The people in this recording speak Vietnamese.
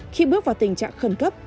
khi bước vào tình trạng khẩn cấp